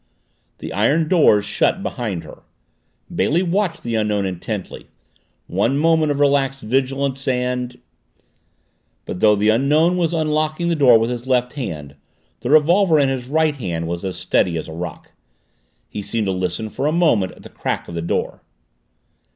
The iron doors shut behind her. Bailey watched the Unknown intently. One moment of relaxed vigilance and But though the Unknown was unlocking the door with his left hand the revolver in his right hand was as steady as a rock. He seemed to listen for a moment at the crack of the door.